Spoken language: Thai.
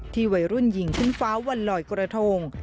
ที่ไว้รุ่นหญิงขึ้นฟ้าวันลอยกระทง